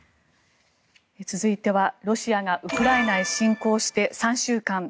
続いては、ロシアがウクライナへ侵攻して３週間。